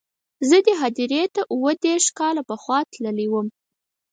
زه دې هدیرې ته اووه دېرش کاله پخوا تللی وم.